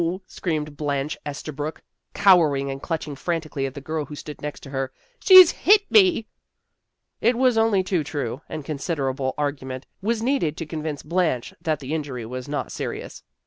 screamed Blanche Estabrook cowering and clutching frantically at the girl who stood next her. " She's hit me." It was only too true, and considerable argu ment was needed to convince Blanche that the injury was not serious.